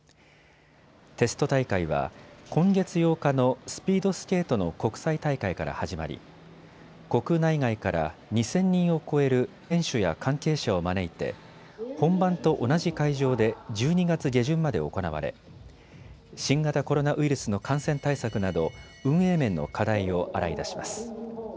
テスト大会は今月８日のスピードスケートの国際大会から始まり国内外から２０００人を超える選手や関係者を招いて本番と同じ会場で１２月下旬まで行われ新型コロナウイルスの感染対策など運営面の課題を洗い出します。